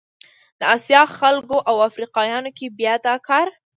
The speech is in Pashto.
د اسیا خلکو او افریقایانو کې بیا دا کار